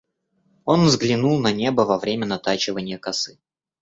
Он взглянул на небо во время натачиванья косы.